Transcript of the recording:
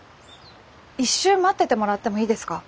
一瞬待っててもらってもいいですか？